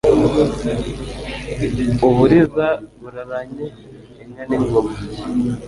U Buriza buraranye inka n'ingoma